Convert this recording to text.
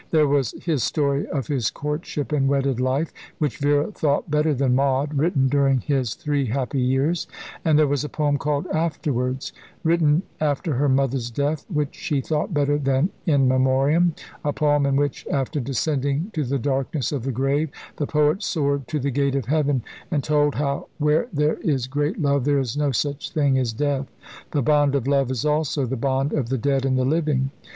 There was his story of his courtship and wedded life, which Vera thought better than "Maud," written during his three happy years; and there was a poem called "Afterwards," written after her mother's death, which she thought better than "In Memoriam," a poem in which, after descending to the darkness of the grave, the poet soared to the gate of heaven, and told how where there is great love there is no such thing as death. The bond of love is also the bond of the dead and the living.